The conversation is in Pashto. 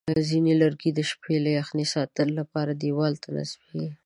ځینې لرګي د شپې له یخنۍ ساتنې لپاره دیوالونو ته نصبېږي.